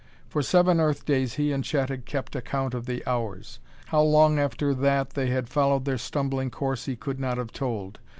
For seven Earth days he and Chet had kept account of the hours. How long after that they had followed their stumbling course he could not have told.